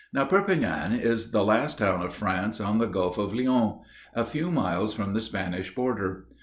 Now, Perpignan is the last town of France on the Gulf of Lions, a few miles from the Spanish border.